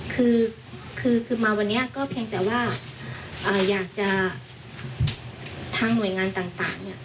คือคือมาวันนี้ก็เพียงแต่ว่าอยากจะทางหน่วยงานต่างเนี่ย